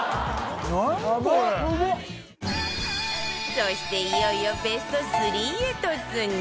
そしていよいよベスト３へ突入